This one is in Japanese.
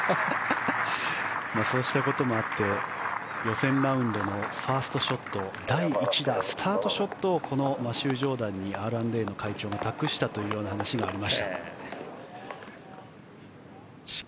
そうしたこともあって予選ラウンドのファーストショット第１打スタートショットをこのマシュー・ジョーダンにＲ＆Ａの会長が託したというような話がありました。